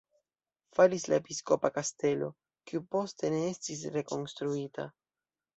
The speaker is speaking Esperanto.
Falis la episkopa kastelo, kiu poste ne estis rekonstruita.